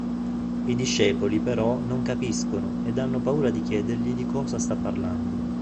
I discepoli però non capiscono ed hanno paura di chiedergli di cosa sta parlando.